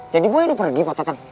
jadi boy udah pergi pak dateng